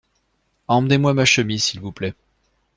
Emmenez-moi ma chemise s’il vous plait.